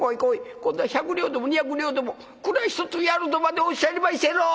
今度は百両でも２百両でも蔵１つやる』とまでおっしゃりましたやろ！」。